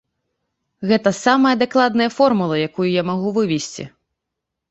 Гэта самая дакладная формула, якую я магу вывесці.